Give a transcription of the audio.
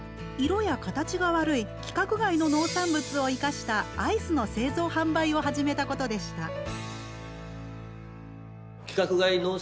色や形が悪い規格外の農産物を生かしたアイスの製造販売を始めたことでした。